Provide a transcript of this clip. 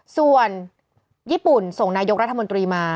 ส่วนญี่ปุ่นส่งนายกรัฐมนตรีมา